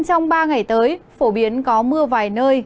trong ba ngày tới phổ biến có mưa vài nơi